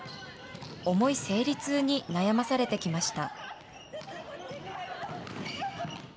重い生理痛に悩まされてきました。